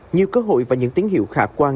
nhiều cơ hội và những tín hiệu khả quan